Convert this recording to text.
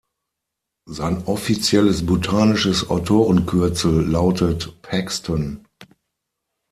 Sein offizielles botanisches Autorenkürzel lautet „Paxton“.